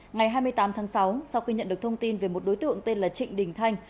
ngày hai mươi tám tháng sáu sau khi nhận được thông tin về một đối tượng tên là trịnh đình thanh